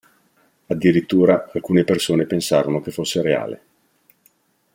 Addirittura, alcune persone pensarono che fosse reale.